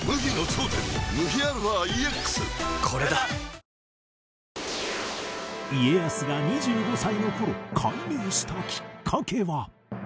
東京海上日動家康が２５歳の頃改名したきっかけは？